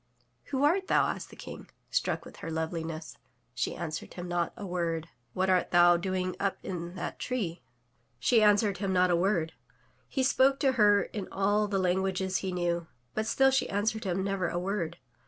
, "Who art thou?'' asked the King, struck with her loveliness. She answered him not a word. "What art thou doing up in that tree?'' She answered him not a word. He spoke to her in all the languages he knew, but still she answered him never a word.